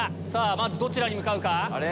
まずどちらに向かうか。